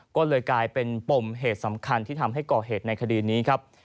ก็เลยกลายเป็นปมเหตุสำคัญที่ทำให้ก่อเหตุในคดีนี้ครับ